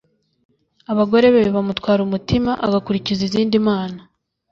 abagore be bamutwara umutima agakurikiza izindi mana